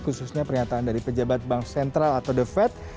khususnya pernyataan dari pejabat bank sentral atau the fed